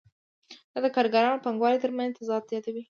دا د کارګرانو او پانګوالو ترمنځ تضاد زیاتوي